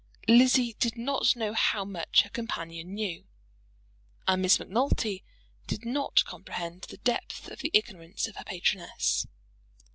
Lizzie did not know how much her companion knew, and Miss Macnulty did not comprehend the depth of the ignorance of her patroness.